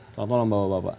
salam sejahtera bapak bapak